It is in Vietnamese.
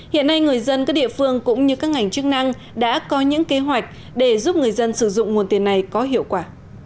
hiện nay người dân các địa phương cũng như các ngành chức năng đã có những kế hoạch để giúp người dân sử dụng nguồn tiền này có hiệu quả